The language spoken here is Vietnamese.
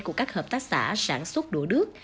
của các hợp tác xã sản xuất đũa đứt